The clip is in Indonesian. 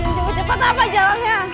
jangan coba cepet apa jalannya